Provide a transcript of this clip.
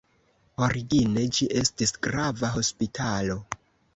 Origine ĝi estis grava hospitalo.